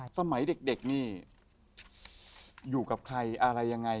สมัยเด็กนี่อยู่กับใครอะไรยังไง